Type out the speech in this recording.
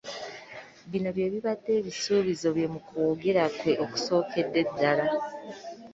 Bino bye bibadde ebisuubizo bye mu kwogera kwe okusookedde ddala.